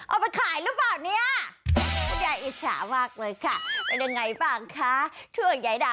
เอาไปขายหรือเปล่าเนี่ย